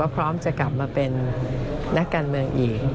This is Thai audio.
พร้อมจะกลับมาเป็นนักการเมืองอีก